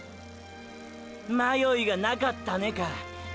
“迷いがなかったね”か。